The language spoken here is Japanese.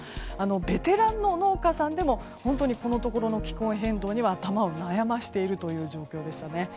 ベテランの農家さんでもこのところの気候変動には頭を悩ませているという状況でしたね。